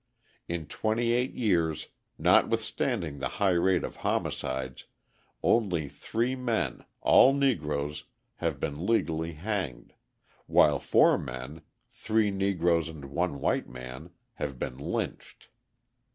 In twenty eight years, notwithstanding the high rate of homicides, only three men, all Negroes, have been legally hanged, while four men three Negroes and one white man have been lynched.